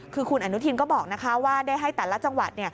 คือคุณอนุทินก็บอกว่าได้ให้แต่ละจังหวัด